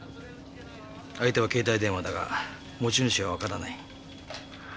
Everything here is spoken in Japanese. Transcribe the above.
相手は携帯電話だが持ち主は分からない。